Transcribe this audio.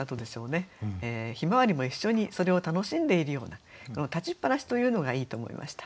向日葵も一緒にそれを楽しんでいるようなこの「立ちつぱなし」というのがいいと思いました。